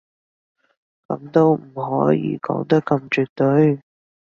噉都唔可以講得咁絕對